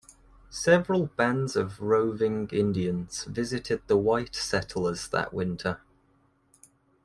Several bands of roving Indians visited the white settlers that winter.